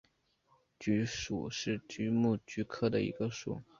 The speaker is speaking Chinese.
菊属是菊目菊科的一个属。